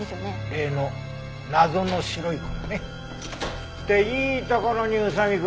例の謎の白い粉ね。っていいところに宇佐見くん。